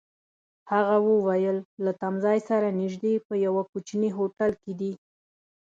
هغه وویل: له تمځای سره نژدې، په یوه کوچني هوټل کي دي.